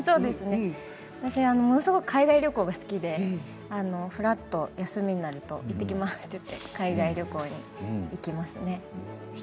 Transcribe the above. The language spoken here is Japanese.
ものすごく海外旅行が好きでふらっと休みになると行ってきますと言って１人でですか？